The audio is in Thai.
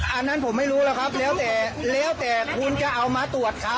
อันนั้นผมไม่รู้แล้วครับแล้วแต่แล้วแต่คุณจะเอามาตรวจครับ